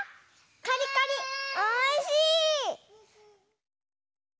カリカリおいしい！